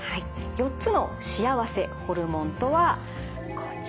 ４つの幸せホルモンとはこちら。